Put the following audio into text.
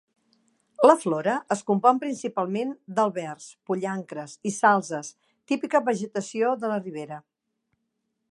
La flora es compon principalment d'àlbers, pollancres i salzes, típica vegetació de ribera.